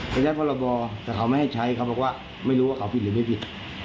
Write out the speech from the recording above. เขาใช้พรบแต่เขาไม่ให้ใช้เขาบอกว่าไม่รู้ว่าเขาผิดหรือไม่ผิด